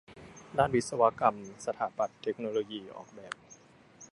ด้านวิศวกรรม สถาปัตย์ เทคโนโลยี ออกแบบ